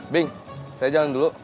bing saya jalan dulu